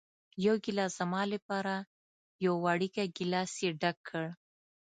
یو ګېلاس زما لپاره، یو وړوکی ګېلاس یې ډک کړ.